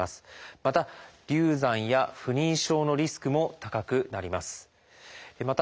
また流産や不妊症のリスクも高くなります。